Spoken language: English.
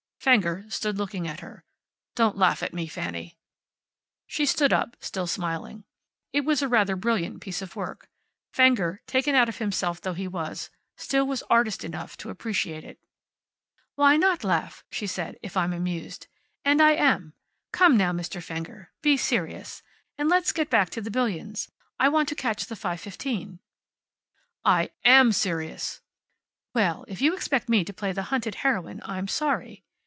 Fenger stood looking at her. "Don't laugh at me, Fanny." She stood up, still smiling. It was rather a brilliant piece of work. Fenger, taken out of himself though he was, still was artist enough to appreciate it. "Why not laugh," she said, "if I'm amused? And I am. Come now, Mr. Fenger. Be serious. And let's get back to the billions. I want to catch the five fifteen." "I AM serious." "Well, if you expect me to play the hunted heroine, I'm sorry."